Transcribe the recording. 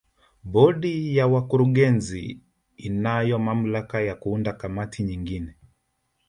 Bodi ya wakurugenzi inayo mamlaka ya kuunda kamati nyingine